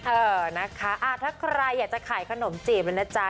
เออนะคะถ้าใครอยากจะขายขนมจีบนะจ๊ะ